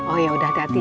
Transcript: oh ya udah hati hati ya